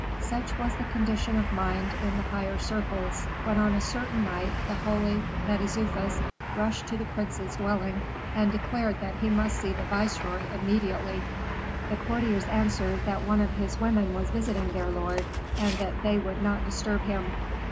Such was the condition of mind in the higher circles, when on a certain night the holy Mentezufis rushed to the prince's dwelling, and declared that he must see the viceroy immediately. The courtiers answered that one of his women was visiting their lord, and that they would not disturb him.